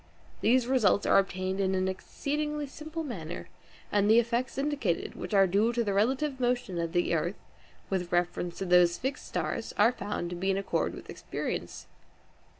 These results are obtained in an exceedingly simple manner, and the effects indicated, which are due to the relative motion of the earth with reference to those fixed stars are found to be in accord with experience.